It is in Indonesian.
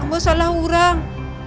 ampun salah orang